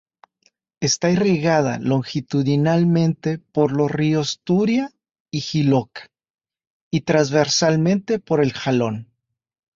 Está irrigada longitudinalmente por los ríos Turia y Jiloca, y transversalmente por el Jalón.